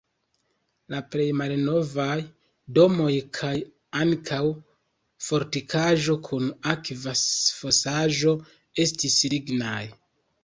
La plej malnovaj domoj kaj ankaŭ fortikaĵo kun akva fosaĵo estis lignaj.